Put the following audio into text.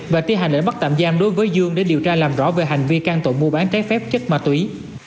và thi hành lệnh bắt tạm giam đối với dương để điều tra làm rõ về hành vi can tội mua bán trái phép chất ma túy